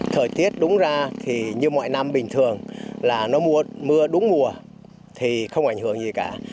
thời tiết đúng ra thì như mọi năm bình thường là nó mưa đúng mùa thì không ảnh hưởng gì cả